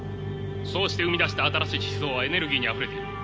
そうして生み出した新しい思想はエネルギーにあふれている。